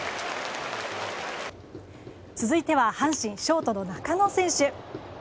続いては阪神ショートの中野選手。